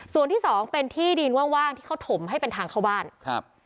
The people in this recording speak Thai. ส่วนที่สองเป็นที่ดินว่างว่างที่เขาถมให้เป็นทางเข้าบ้านครับ